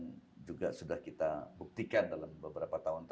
dan itu memang yang juga sudah kita buktikan dalam beberapa tahun ini